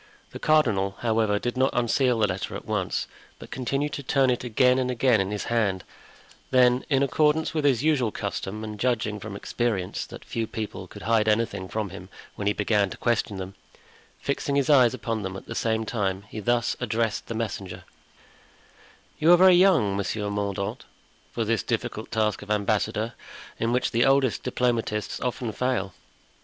The cardinal, however, did not unseal the letter at once, but continued to turn it again and again in his hand; then, in accordance with his usual custom and judging from experience that few people could hide anything from him when he began to question them, fixing his eyes upon them at the same time, he thus addressed the messenger: "You are very young, Monsieur Mordaunt, for this difficult task of ambassador, in which the oldest diplomatists often fail."